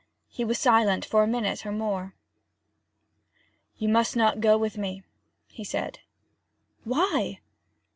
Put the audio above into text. He was silent for a minute or more. 'You must not go with me,' he said. 'Why?'